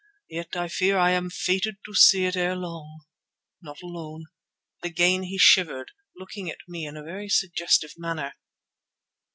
Yet I fear I am fated to see it ere long, not alone," and again he shivered, looking at me in a very suggestive manner.